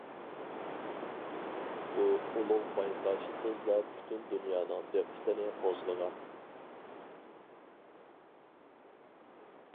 بۇ ئۇلۇغ بايقاش تېزلا پۈتۈن دۇنيانىڭ دىققىتىنى قوزغىغان.